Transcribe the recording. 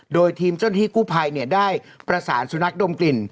โดยทีมเจ้าหน้าที่กู้ภัยได้ประสานสุนัขดมกลิ่น